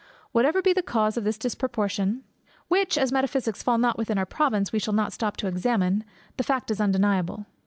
Whatever be the cause of this disproportion, which (as metaphysics fall not within our province) we shall not stop to examine, the fact is undeniable.